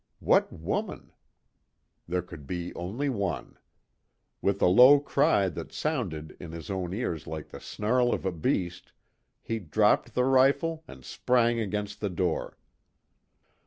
What woman? There could be only one with a low cry that sounded in his own ears like the snarl of a beast, he dropped the rifle and sprang against the door.